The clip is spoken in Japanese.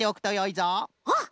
あっ！